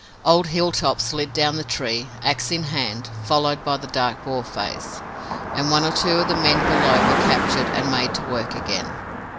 Old Hilltop slid down the tree, ax in hand, followed by the dark Boarface, and one or two of the men below were captured and made to work again.